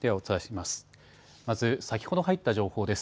まず先ほど入った情報です。